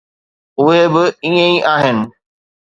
اهي به ائين ئي آهن.